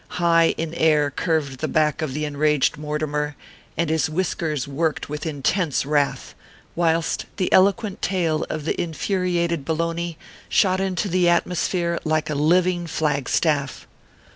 High in air curved the back of the enraged Mortimer, and his whiskers worked with intense wrath ; whilst the eloquent tail of the infu riated Bologna shot into the atmosphere like a living flag staff.